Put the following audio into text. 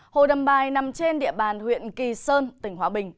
hồ đầm bài nằm trên địa bàn huyện kỳ sơn tỉnh hòa bình